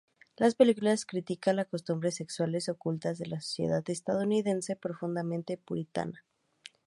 La película critica las costumbres sexuales ocultas de la sociedad estadounidense, profundamente puritana.